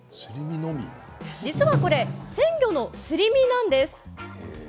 実は、これ鮮魚のすり身なんです。